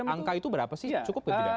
angka itu berapa sih